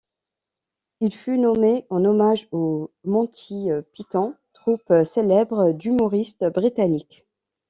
Il fut nommé en hommage aux Monty Python, troupe célèbre d'humoristes britanniques.